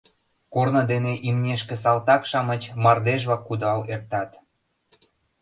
Корно дене имнешке салтак-шамыч мардежла кудал эртат.